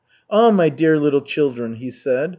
"Ah, my dear little children," he said.